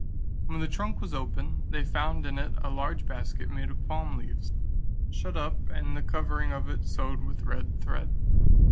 When the trunk was opened, they found in it a large basket made of palm leaves, shut up, and the covering of it sewed with red thread.